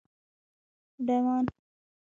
_ډمان